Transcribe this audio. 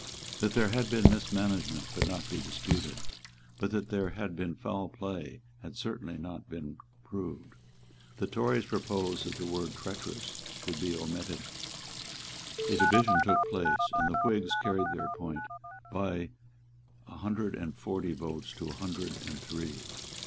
That there had been mismanagement could not be disputed; but that there had been foul play had certainly not been proved. The Tories proposed that the word "treacherous" should be omitted. A division took place; and the Whigs carried their point by a hundred and forty votes to a hundred and three.